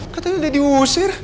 katanya dia diusir